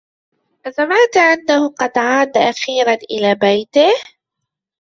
أسمعت أنه قد عاد أخيرا إلى بيته ؟